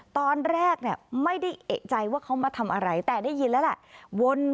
ตอนแรกเนี่ยไม่ได้เอกใจว่าเขามาทำอะไรแต่ได้ยินแล้วแหละ